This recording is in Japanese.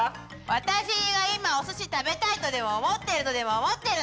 私が今おすし食べたいとでも思ってるとでも思ってるの？